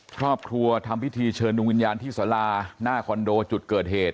ครอบครัวทำพิธีเชิญดวงวิญญาณที่สาราหน้าคอนโดจุดเกิดเหตุ